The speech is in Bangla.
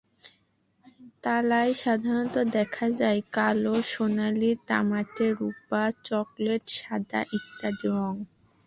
তালায় সাধারণত দেখা যায় কালো, সোনালি, তামাটে, রুপা, চকলেট, সাদা ইত্যাদি রং।